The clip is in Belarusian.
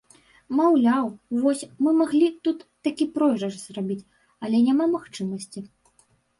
Маўляў, вось, мы маглі тут такі пройгрыш зрабіць, але няма магчымасці!